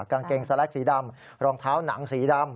กางเกงสแล็กสีดำรองเท้าหนังสีดำ